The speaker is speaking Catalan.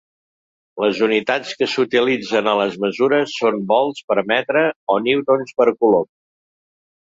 Les unitats que s'utilitzen a les mesures són volts per metre o newtons per coulombs.